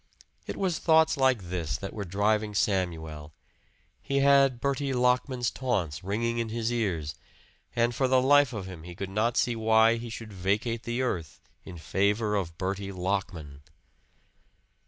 It was thoughts like this that were driving Samuel he had Bertie Lockman's taunts ringing in his ears, and for the life of him he could not see why he should vacate the earth in favor of Bertie Lockman!